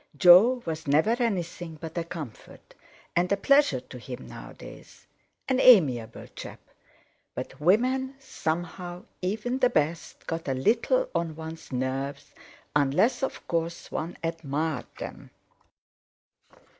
Jo was never anything but a comfort and a pleasure to him nowadays—an amiable chap; but women, somehow—even the best—got a little on one's nerves, unless of course one admired them.